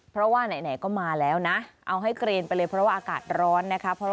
เพราะว่าไหนก็มาแล้วนะเอาให้เกรนไปเลยเพราะว่าอากาศร้อนนะคะ